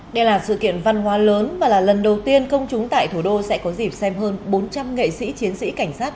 đây là sự kiện văn hóa lớn và là lần đầu tiên công chúng tại thủ đô sẽ có dịp xem hơn bốn trăm linh nghệ sĩ chiến sĩ cảnh sát